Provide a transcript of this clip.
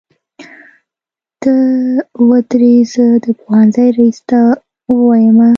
ته ودرې زه د پوهنځۍ ريس ته وويمه.